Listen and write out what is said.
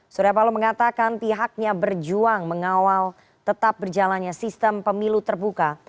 surya paloh mengatakan pihaknya berjuang mengawal tetap berjalannya sistem pemilu terbuka